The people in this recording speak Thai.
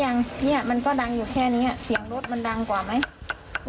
ยังเนี่ยมันก็ดังอยู่แค่นี้เสียงรถมันดังกว่าไหม